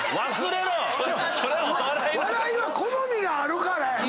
笑いは好みがあるからやな。